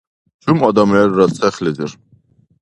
Чум адам лерра цехлизир?